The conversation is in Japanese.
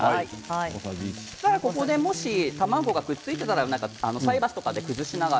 ここで卵がくっついていたら菜箸なんかで崩しながら。